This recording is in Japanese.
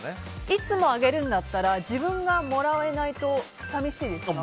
いつもあげるんだったら自分がもらえないと寂しいですか？